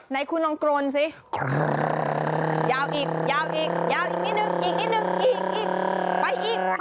ไหนคุณลองกรนสิ